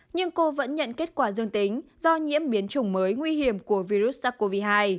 nhưng cô vẫn nhận kết quả dương tính do nhiễm biến chủng mới nguy hiểm của virus sars cov hai